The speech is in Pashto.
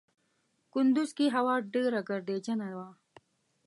کندوز کې هوا ډېره ګردجنه وه.